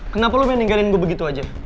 kenapa lu pengen ninggalin gue begitu aja